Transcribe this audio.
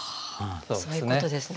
そうですね。